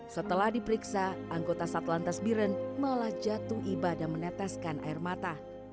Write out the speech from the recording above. setelah diperiksa anggota satlantas biren malah jatuh ibadah meneteskan air mata